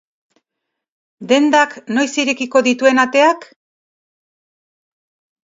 Dendak noiz irekiko dituen ateak?